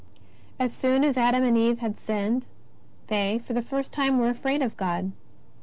As soon as Adam and Eve had sinned, they, for the first time, were afraid of God.